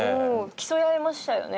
競い合いましたよね。